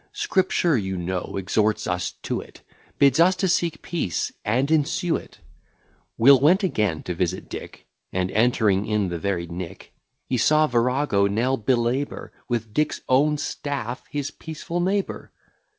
Scripture, you know, exhorts us to it; Bids us to seek peace, and ensue it. Will went again to visit Dick; And entering in the very nick, He saw virago Nell belabour, With Dick's own staff, his peaceful neighbour.